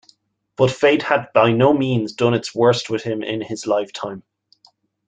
But fate had by no means done its worst with him in his lifetime.